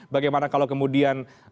bagaimana kalau kemudian